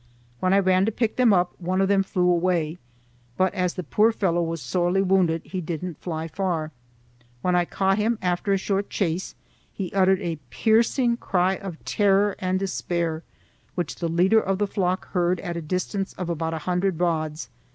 When I ran to pick them up, one of them flew away, but as the poor fellow was sorely wounded he didn't fly far. When I caught him after a short chase, he uttered a piercing cry of terror and despair, which the leader of the flock heard at a distance of about a hundred rods.